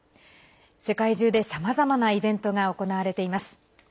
世界中で、さまざまなイベントが行われています。